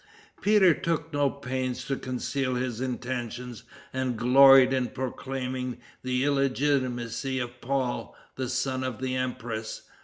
Peter took no pains to conceal his intentions, and gloried in proclaiming the illegitimacy of Paul, the son of the empress.